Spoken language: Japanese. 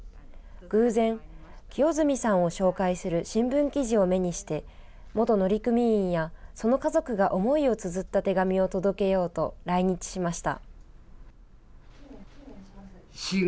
偶然、清積さんを紹介する新聞記事を目にして、元乗組員やその家族が思いをつづった手紙を届けようと来日しました。